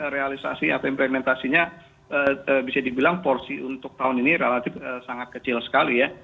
realisasi atau implementasinya bisa dibilang porsi untuk tahun ini relatif sangat kecil sekali ya